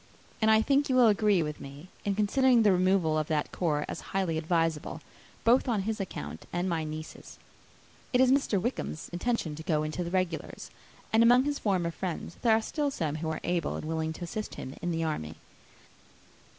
And I think you will agree with me, in considering a removal from that corps as highly advisable, both on his account and my niece's. It is Mr. Wickham's intention to go into the Regulars; and, among his former friends, there are still some who are able and willing to assist him in the army.